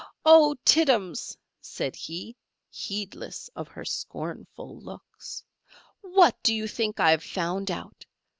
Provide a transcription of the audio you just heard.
"Oh, Tittums!" said he, heedless of her scornful looks, "what do you think I have found out?